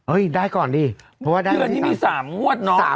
อุ๊ยได้ก่อนดิเพราะว่าได้อยู่ที่๓เดือนที่นี่๓งวดเนอะ